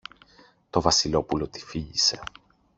Το Βασιλόπουλο τη φίλησε.